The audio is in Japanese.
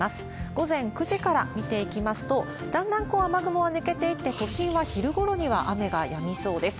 午前９時から見ていきますと、だんだん雨雲は抜けていって、都心は昼ごろには雨がやみそうです。